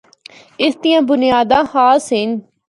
اس دیاں بنیاداں خاص ہن۔